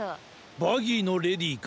バギーのレディーか。